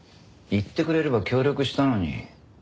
言ってくれれば協力したのに。